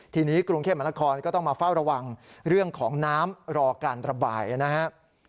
ทีนี้กรุงเทพมหานครก็ต้องมาเฝ้าระวังเรื่องของน้ำรอการระบายนะครับ